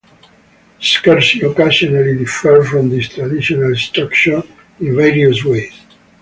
Scherzi occasionally differ from this traditional structure in various ways.